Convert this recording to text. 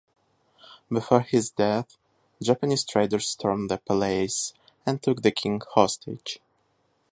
Before his death, Japanese traders stormed the palace and took the king hostage.